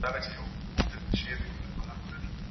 ټولنیز ارزښت د چلند لارښود ګرځي.